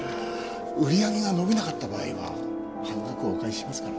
売り上げが伸びなかった場合は半額お返ししますから。